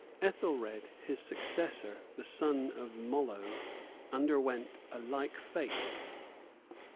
Ethelred, his successor, the son of Mollo, underwent a like fate.